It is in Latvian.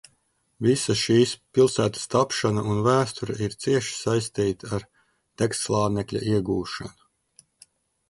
Visa šīs pilsētas tapšana un vēsture ir cieši saistīta ar degslānekļa iegūšanu.